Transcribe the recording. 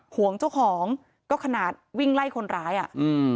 ห่วงเจ้าของก็ขนาดวิ่งไล่คนร้ายอ่ะอืม